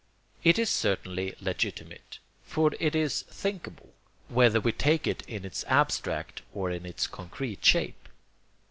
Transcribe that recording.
It is certainly legitimate, for it is thinkable, whether we take it in its abstract or in its concrete shape.